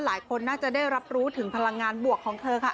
หลายคนน่าจะได้รับรู้ถึงพลังงานบวกของเธอค่ะ